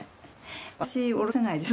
私おろせないです